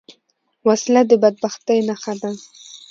وسله د بدبختۍ نښه ده